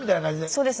そうです。